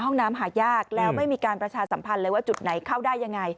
ห้องน้ำหายากแล้วไม่มีการประชาสัมพันธ์เลยว่าจุดไหนเข้าได้ยังไง